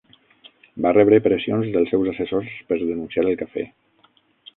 Va rebre pressions dels seus assessors per denunciar el cafè.